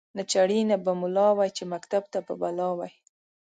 نه چړي نه به مُلا وی چي مکتب ته به بلا وي